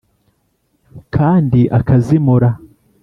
Kandi akazimura